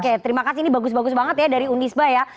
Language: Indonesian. oke terima kasih ini bagus bagus banget ya dari unisba ya